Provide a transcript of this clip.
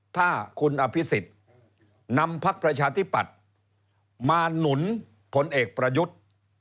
ถ้าคุณอภิษฎนำพักประชาธิปัตย์มาหนุนผลเอกประยุทธ์